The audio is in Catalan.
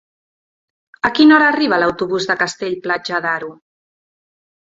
A quina hora arriba l'autobús de Castell-Platja d'Aro?